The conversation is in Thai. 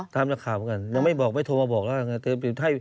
นักข่าวเหมือนกันยังไม่บอกไม่โทรมาบอกแล้วไง